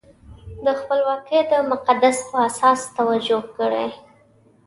د خپلواکۍ د تقدس په اساس توجیه کړي.